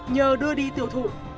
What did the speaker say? nhờ đưa đi tiêu thụ